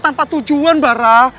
tanpa tujuan barah